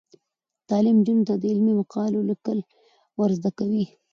تعلیم نجونو ته د علمي مقالو لیکل ور زده کوي.